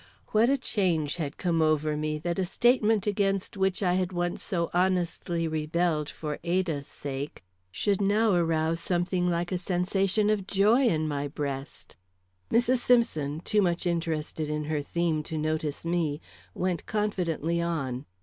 What a change had come over me that a statement against which I had once so honestly rebelled for Ada's sake should now arouse something like a sensation of joy in my breast! Mrs. Simpson, too much interested in her theme to notice me, went confidently on.